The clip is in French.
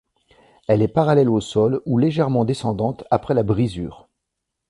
Elle est parallèle au sol ou légèrement descendante après la brisure.